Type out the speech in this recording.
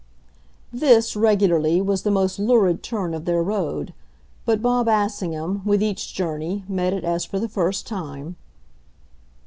This, regularly, was the most lurid turn of their road; but Bob Assingham, with each journey, met it as for the first time.